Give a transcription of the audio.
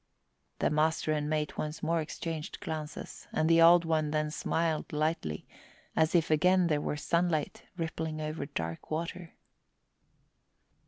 The master and mate once more exchanged glances and the Old One then smiled lightly, as if again there were sunlight rippling over dark water.